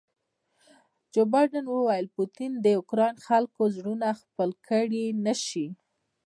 جو بایډن وویل پوټین د اوکراین خلکو زړونه خپل کړي نه شي.